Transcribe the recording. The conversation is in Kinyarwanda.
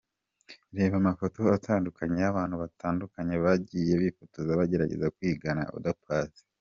Reba amafoto atandukanye y’abantu batandukanye bagiye bifotoza bagerageza kwigana Oda Paccy:.